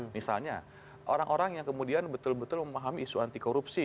misalnya orang orang yang kemudian betul betul memahami isu anti korupsi